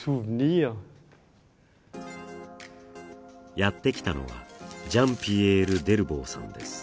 やってきたのはジャン＝ピエール・デルボーさんです